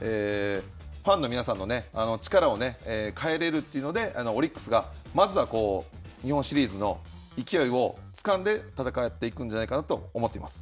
ファンの皆さんの力をかえれるというので、オリックスがまずは、日本シリーズの勢いをつかんで戦っていくんじゃないかなと思っています。